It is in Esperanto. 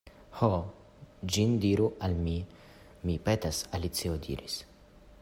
"Ho, ĝin diru al mi, mi petas," Alicio diris.